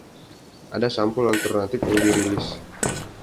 Ada sampul alternatif yang dirilis.